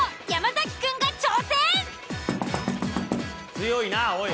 強いなぁおい。